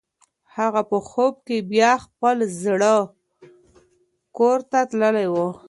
هغه په خوب کې بیا خپل زاړه کور ته تللې وه.